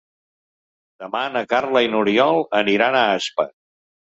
Demà na Carla i n'Oriol aniran a Aspa.